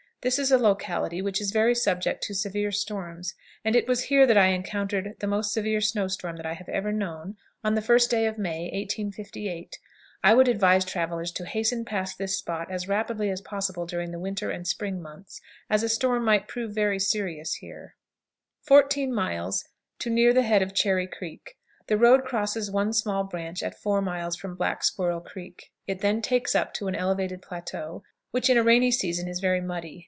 This is a locality which is very subject to severe storms, and it was here that I encountered the most severe snow storm that I have ever known, on the first day of May, 1858. I would advise travelers to hasten past this spot as rapidly as possible during the winter and spring months, as a storm might prove very serious here. 14. Near the head of Cherry Creek. The road crosses one small branch at four miles from Black Squirrel Creek; it then takes up to an elevated plateau, which in a rainy season is very muddy.